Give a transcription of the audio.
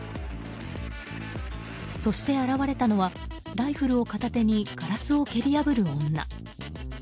そして現れたのはライフルを片手にガラスを蹴り破る女。